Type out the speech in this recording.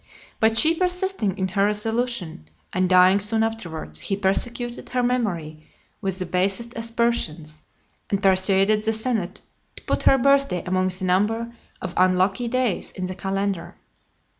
But she persisting in her resolution, and dying soon afterwards, he persecuted her memory with the basest aspersions, and persuaded the senate to put her birth day amongst the number of unlucky days in the calendar.